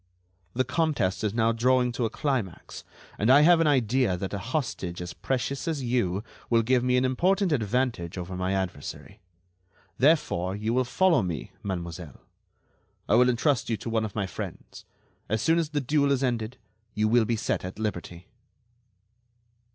The contest is now drawing to a climax, and I have an idea that a hostage as precious as you will give me an important advantage over my adversary. Therefore, you will follow me, mademoiselle; I will entrust you to one of my friends. As soon as the duel is ended, you will be set at liberty."